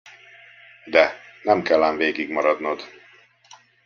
De, nem kell ám végig maradnod.